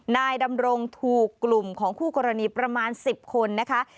นายดำรงถูกกลุ่มของคู่กรณีประมาณ๑๐คนนะคะ